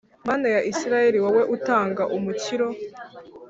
mana ya israheli, wowe utanga umukiro.